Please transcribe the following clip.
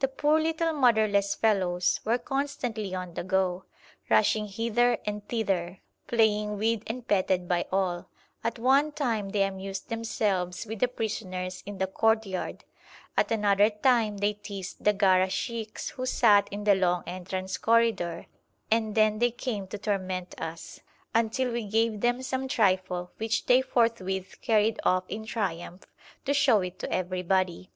The poor little motherless fellows were constantly on the go, rushing hither and thither, playing with and petted by all; at one time they amused themselves with the prisoners in the courtyard, at another time they teased the Gara sheikhs who sat in the long entrance corridor, and then they came to torment us, until we gave then some trifle, which they forthwith carried off in triumph to show it to everybody.